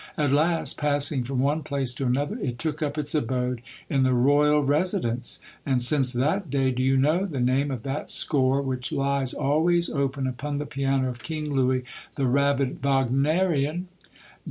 At last, passing from one place to another, it took up its abode in the Royal Resi dence. And since that day, do you know the name of that score which lies, always open, upon the piano of King Louis, the rabid Wagnerian?